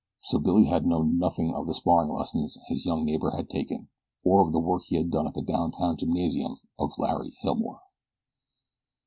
So Billy had known nothing of the sparring lessons his young neighbor had taken, or of the work he had done at the down town gymnasium of Larry Hilmore.